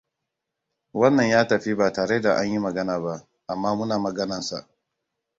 Wannan ya tafi batare da an yi magana ba, amma muna maganan sa.